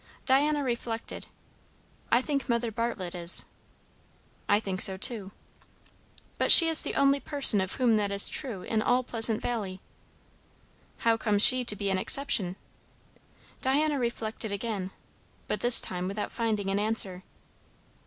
Diana reflected. "I think Mother Bartlett is." "I think so too." "But she is the only person of whom that is true in all Pleasant Valley." "How comes she to be an exception?" Diana reflected again, but this time without finding an answer.